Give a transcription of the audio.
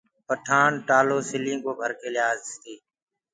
پٺآڻ ٽآلو سلِيٚ ڪو ڀر ڪي ليآس تي